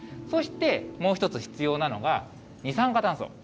そして、もう一つ必要なのが、二酸化炭素。